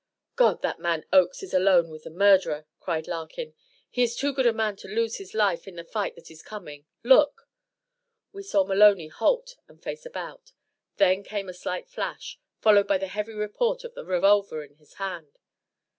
"God that man Oakes is alone with the murderer!" cried Larkin. "He is too good a man to lose his life in the fight that is coming. Look!" We saw Maloney halt and face about. Then came a slight flash, followed by the heavy report of the revolver in his hand.